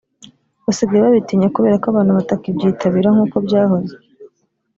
basigaye babitinya kubera ko abantu batakibyitabira nkuko byahoze